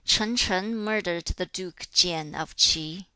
Chan Ch'ang murdered the Duke Chien of Ch'i.